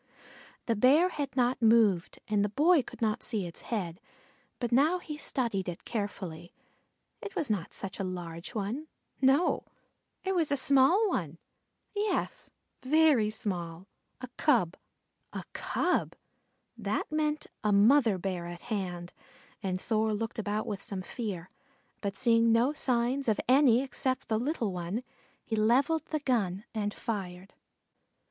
The Bear had not moved and the boy could not see its head, but now he studied it carefully. It was not such a large one no, it was a small one, yes, very small a cub. A cub! That meant a mother Bear at hand, and Thor looked about with some fear, but seeing no signs of any except the little one, he levelled the gun and fired.